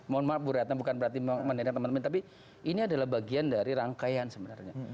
mohon maaf bu ratna bukan berarti mendengar teman teman tapi ini adalah bagian dari rangkaian sebenarnya